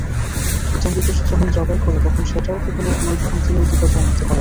জঙ্গিগোষ্ঠী যখন জবাই করে, তখন সেটাও তো কোনো নীতিনৈতিকতার মধ্যে পড়ে না।